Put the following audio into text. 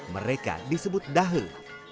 mereka disebut dahel